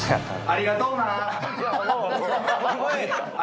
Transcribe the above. ありがとうな！